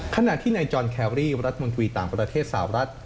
ขณะที่นายจอนแครรี่รัฐมนตรีต่างประเทศสาวรัฐ